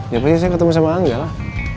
ya pasti saya ketemu sama angga lah